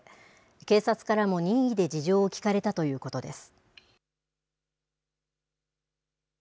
警察からも任意で事情を聴かれたということです。